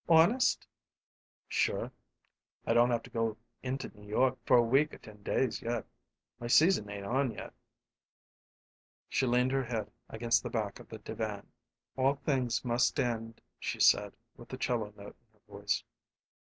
"Honest?" "Sure. I don't have to go in to New York for a week or ten days yet. My season ain't on yet." She leaned her head against the back of the divan. "All nice things must end," she said, with the 'cello note in her voice.